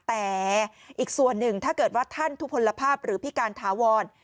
แต่อีกส่วนหนึ่งถ้าเกิดว่าท่านทุกผลภาพหรือพิการถาวร